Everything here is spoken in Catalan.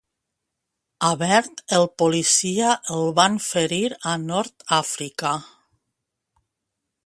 A Bert el policia el van ferir a Nord-Àfrica.